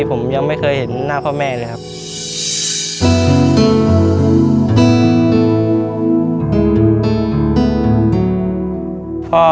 ผมยังไม่เคยเห็นหน้าพ่อแม่เลยครับ